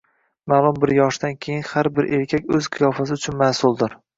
Ma’lum bir yoshdan keyin har bir erkak o’z qiyofasi uchun mas’uldir.